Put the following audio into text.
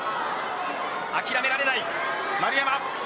諦められない丸山。